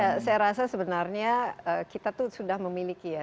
ya saya rasa sebenarnya kita tuh sudah memiliki ya